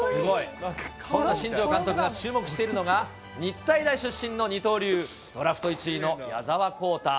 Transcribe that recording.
そんな新庄監督が注目しているのが、日体大出身の二刀流、ドラフト１位の矢澤宏太。